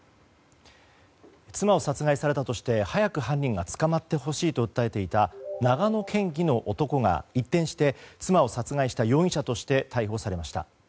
妻を殺害されたとして早く犯人が捕まってほしいと訴えていた長野県議の男が一転して妻を殺害した容疑者として逮捕されました。